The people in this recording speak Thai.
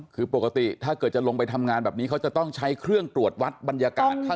คือปกติถ้าเกิดจะลงไปทำงานแบบนี้เขาจะต้องใช้เครื่องตรวจวัดบรรยากาศข้าง